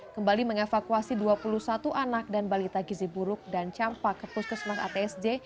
kembali mengevakuasi dua puluh satu anak dan balita gizi buruk dan campa gapuskesmas atsj